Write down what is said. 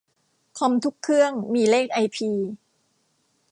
คอมทุกเครื่องมีเลขไอพี